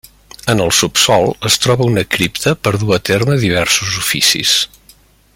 En el subsòl es troba una cripta per a dur a terme diversos oficis.